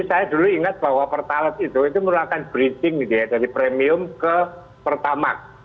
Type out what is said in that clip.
saya dulu ingat bahwa pertalite itu itu merupakan bridging gitu ya dari premium ke pertamax